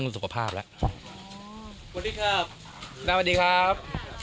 สวัสดีครับ